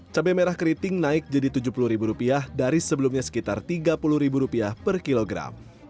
cabai merah keriting naik jadi tujuh puluh ribu rupiah dari sebelumnya sekitar tiga puluh ribu rupiah per kilogram